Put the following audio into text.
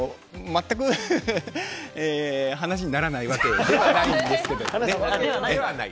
全く話にならないわけではないんですけどね。